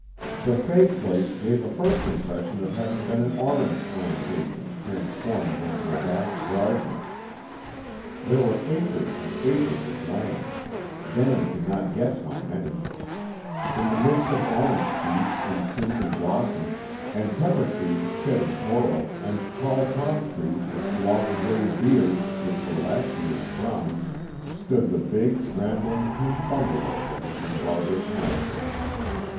The "Fay place" gave a first impression of having been an orange plantation transformed into a vast garden. There were acres and acres of land, Denin could not guess how many. In the midst of orange trees in fruit and blossom, and pepper trees shedding coral, and tall palm trees with long gray beards which were last year's fronds, stood the big, rambling pink bungalow that had been Barbara's home.